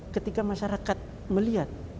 ketika masyarakat melihat